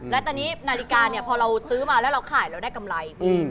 และตอนนี้นาฬิกาเนี่ยพอเราซื้อมาแล้วเราขายเราได้กำไร